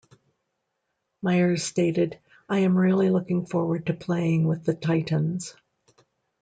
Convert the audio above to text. Meyers stated, I am really looking forward to playing with the Titans.